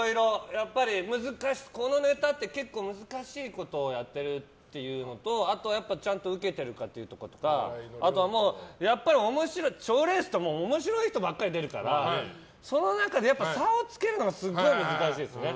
やっぱりこのネタって結構難しいことをやってるっていうのとあと、ちゃんとウケてるかとかあとは、やっぱり面白い賞レースって面白い人ばっかり出るからその中で差をつけるのがすごい難しいですよね。